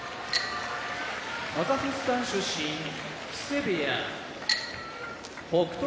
カザフスタン出身木瀬部屋北勝